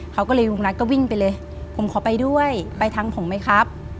เขาก็เลยลุงนัทก็วิ่งไปเลยผมขอไปด้วยไปทางผมไหมครับ